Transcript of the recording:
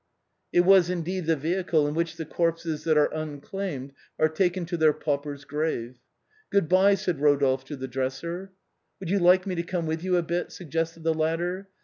It was indeed the vehicle in which the corpses that are unclaimed are taken to their pauper's grave. " Good bye," said Eodolphe to the dresser. " Would you like me to come with you a bit ?" suggested the latter.